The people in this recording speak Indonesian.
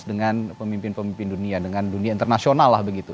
dengan pemimpin pemimpin dunia dengan dunia internasional lah begitu